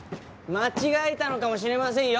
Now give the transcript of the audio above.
間違えたのかもしれませんよ。